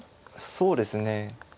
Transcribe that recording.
そうですね。